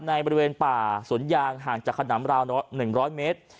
บริเวณป่าสวนยางห่างจากขนำราว๑๐๐เมตร